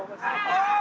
おい！